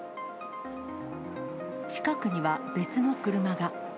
近くには、別の車が。